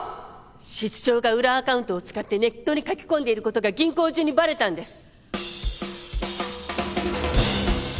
室長が裏アカウントを使ってネットに書き込んでいる事が銀行中にバレたんです。